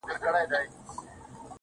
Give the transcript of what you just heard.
واه واه، خُم د شرابو ته راپرېوتم، بیا.